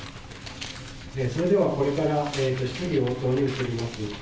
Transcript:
それではこれから質疑応答に移ります。